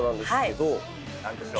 何でしょう？